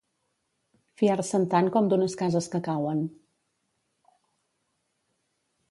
Fiar-se'n tant com d'unes cases que cauen.